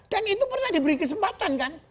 dan itu pernah diberi kesempatan kan